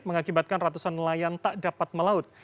mengakibatkan ratusan nelayan tak dapat melaut